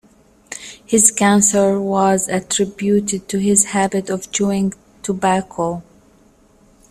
His cancer was attributed to his habit of chewing tobacco.